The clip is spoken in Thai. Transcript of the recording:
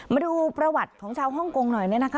มาดูประวัติของชาวฮ่องกงหน่อยเนี่ยนะคะ